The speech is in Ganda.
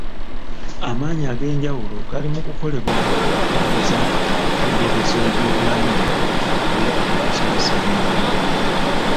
Amaanyi ag'enjawulo gali mu kukolebwa okwongeza embeera z'ebyobulamu okuyita mu kusasaanya amawulire.